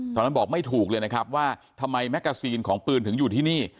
ตอนนั้นบอกไม่ถูกเลยนะครับว่าทำไมแกซีนของปืนถึงอยู่ที่นี่